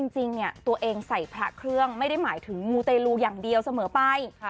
จริงเนี่ยตัวเองใส่พระเครื่องไม่ได้หมายถึงมูเตลูอย่างเดียวเสมอไป